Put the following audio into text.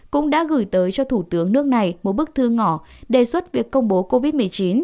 cũng đã gửi tới cho thủ tướng nước này một bức thư ngỏ đề xuất việc công bố covid một mươi chín